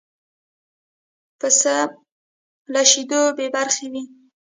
پسه له شیدو بې برخې وي.